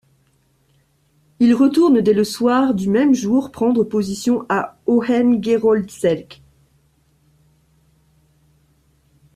Il retourne, dès le soir du même jour, prendre position à Hohengeroldzegg.